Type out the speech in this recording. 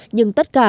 nhưng tất cả